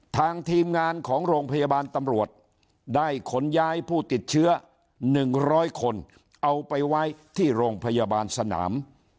ทีมงานของโรงพยาบาลตำรวจได้ขนย้ายผู้ติดเชื้อ๑๐๐คนเอาไปไว้ที่โรงพยาบาลสนาม